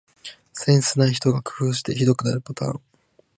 センスない人が工夫してひどくなるパターン